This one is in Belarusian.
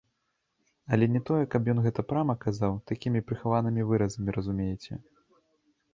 Але не тое, каб ён гэта прама казаў, такімі прыхаванымі выразамі, разумееце.